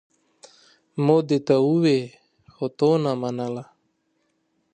ما درته وويل خو تا نه منله!